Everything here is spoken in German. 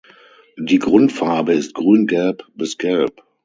Die Grundfarbe ist Grüngelb bis Gelb.